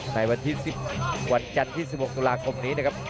ในวันที่๑๐วันจันทร์ที่๑๖ตุลาคมนี้นะครับ